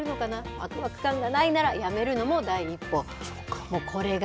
わくわく感がないなら、やめるのも第一歩。